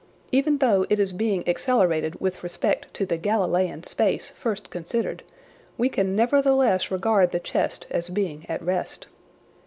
Even though it is being accelerated with respect to the "Galileian space" first considered, we can nevertheless regard the chest as being at rest.